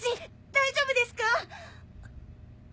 大丈夫ですか！